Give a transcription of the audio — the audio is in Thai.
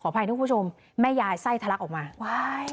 อภัยทุกผู้ชมแม่ยายไส้ทะลักออกมา